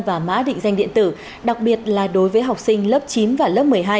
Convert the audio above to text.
và mã định danh điện tử đặc biệt là đối với học sinh lớp chín và lớp một mươi hai